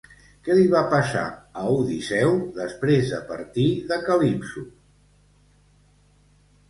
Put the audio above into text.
Què li va passar a Odisseu després de partir de Calipso?